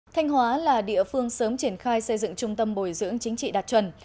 thanh hóa là địa phương sớm triển khai xây dựng trung tâm bồi dưỡng chính trị đạt chuẩn